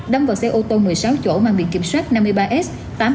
đâm vào xe ô tô một mươi sáu chỗ mà bị kiểm soát năm mươi ba s tám nghìn hai trăm tám mươi ba